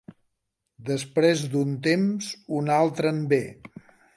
Després d'un temps un altre en ve.